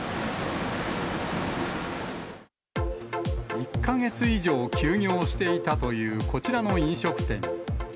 １か月以上休業していたというこちらの飲食店。